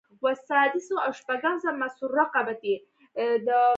د وربشو کښت له غنمو سره کیږي.